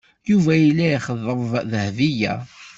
Yuba yella yexḍeb Dahbiya.